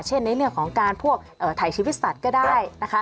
ในเรื่องของการพวกถ่ายชีวิตสัตว์ก็ได้นะคะ